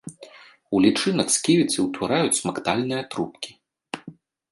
У лічынак сківіцы ўтвараюць смактальныя трубкі.